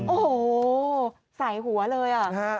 โอ้โหสายหัวเลย